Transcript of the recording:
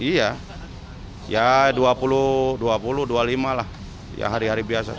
iya ya dua puluh dua puluh lima lah